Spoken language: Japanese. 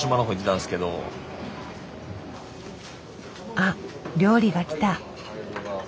あっ料理が来た。